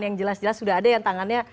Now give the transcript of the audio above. yang jelas jelas sudah ada yang tangannya